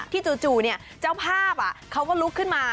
จู่เจ้าภาพเขาก็ลุกขึ้นมา